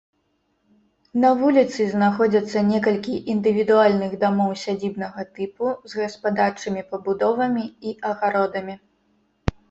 На вуліцы знаходзяцца некалькі індывідуальных дамоў сядзібнага тыпу з гаспадарчымі пабудовамі і агародамі.